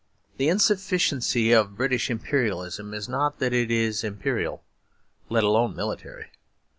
The insufficiency of British Imperialism is not that it is imperial, let alone military.